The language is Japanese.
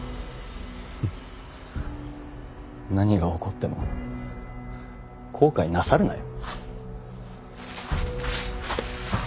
ふん何が起こっても後悔なさるなよ！